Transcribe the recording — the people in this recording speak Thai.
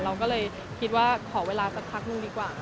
เราก็เลยคิดว่าขอเวลาสักพักนึงดีกว่า